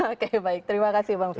oke baik terima kasih bang surya